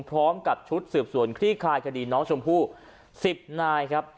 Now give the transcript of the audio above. พร้อมกับชุดสืบสวนคลี่คลายคดีน้องชมพู่๑๐นายครับ